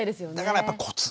だからやっぱりコツ。